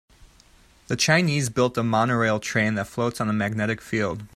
The Chinese built a monorail train that floats on a magnetic field.